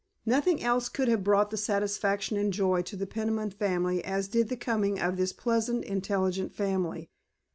Nothing else could have brought the satisfaction and joy to the Peniman family as did the coming of this pleasant, intelligent family.